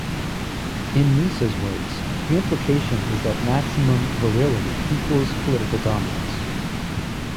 In Niessa's words, The implication is that maximum virility equals political dominance.